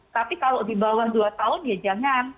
tapi kalau di bawah dua tahun ya jangan